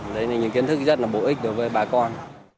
đấy là những kiến thức rất là bổ ích đối với bà con